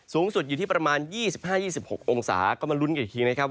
สูงสุดอยู่ที่ประมาณ๒๕๒๖องศาก็มาลุ้นกันอีกทีนะครับ